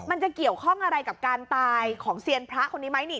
มันจะเกี่ยวข้องอะไรกับการตายของเซียนพระคนนี้ไหมนี่